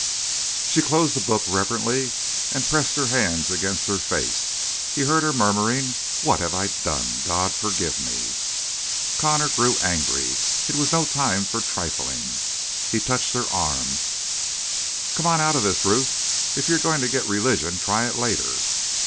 She closed the book reverently and pressed her hands against her face. He heard her murmuring: "What have I done? God forgive me!" Connor grew angry. It was no time for trifling. He touched her arm: "Come on out of this, Ruth. If you're going to get religion, try it later."